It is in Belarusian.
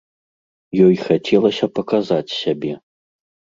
Ёй хацелася паказаць сябе.